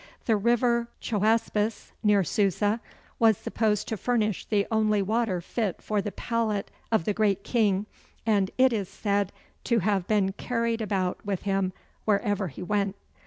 The river Choaspes near Susa was supposed to furnish the only water fit for the palate of the great king, and it is said to have been carried about with him wherever he went.